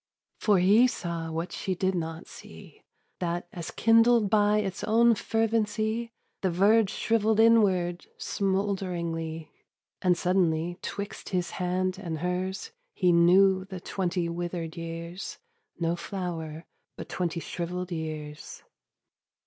For he saw what she did not see, That as kindled by its own fervency The verge shrivelled inward smoulderingly: And suddenly 'twixt his hand and hers He knew the twenty withered years No flower, but twenty shrivelled years.